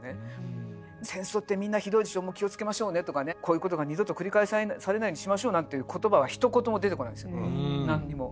戦争ってみんなひどいでしょもう気をつけましょうねとかねこういうことが二度と繰り返されないようにしましょうなんていう言葉はひと言も出てこないんです何にも。